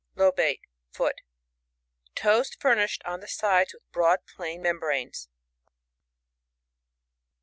LoBATE (fool) — Toes furnished on the sides with broad plain membranes.